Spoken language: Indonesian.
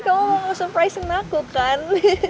kamu mau nge surprising aku kan